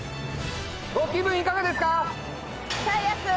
ご気分いかがですか？